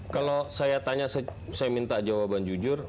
kalau saya tanya saya minta jawaban jujur